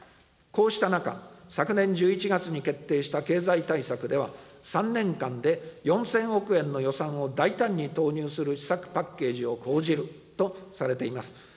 こうした中、昨年１１月に決定した経済対策では、３年間で４０００億円の予算を大胆に投入する施策パッケージを講じるとされています。